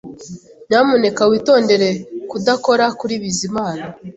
Nyamuneka witondere kudakora kuri Bizimana